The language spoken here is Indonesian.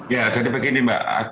ya jadi begini mbak